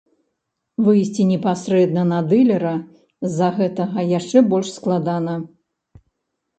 Выйсці непасрэдна на дылера з-за гэтага яшчэ больш складана.